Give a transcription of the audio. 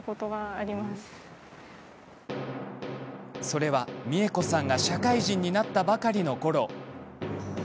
それは、美恵子さんが社会人になったばかりのころ。